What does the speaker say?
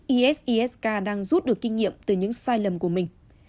isis k đang rút được kinh nghiệm từ những sai lầm của mình